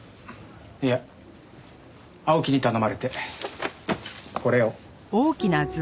いや青木に頼まれてこれを。